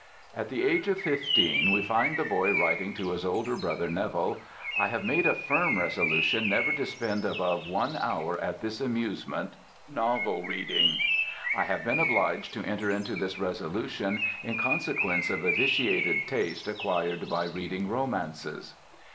At the age of fifteen we find the boy writing to his older brother Neville: "I have made a firm resolution never to spend above one hour at this amusement [novel reading]. I have been obliged to enter into this resolution in consequence of a vitiated taste acquired by reading romances."